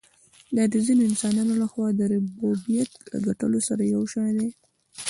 دا د ځینو انسانانو له خوا د ربوبیت له ګټلو سره یو شی دی.